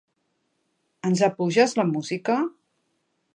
Ens apuges la música?